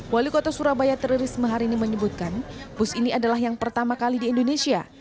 wali kota surabaya tririsma hari ini menyebutkan bus ini adalah yang pertama kali di indonesia